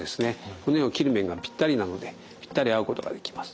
骨を切る面がぴったりなのでぴったり合うことができます。